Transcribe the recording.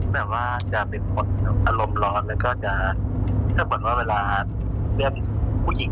แบบว่าจะเป็นคนอารมณ์ร้อนแล้วก็จะถ้าเกิดว่าเวลาเรื่องผู้หญิง